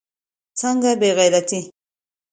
څنگه بې غيرتي.